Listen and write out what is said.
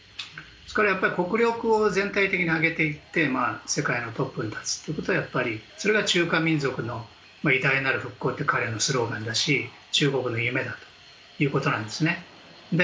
ですから国力を全体的に上げていって世界のトップに立つということそれがやっぱり中華民国の偉大なる復興という彼のスローガンだし中国の夢だというわけです。